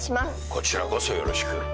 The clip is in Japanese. こちらこそよろしく。